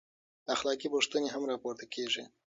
اخلاقي پوښتنې هم راپورته کېږي.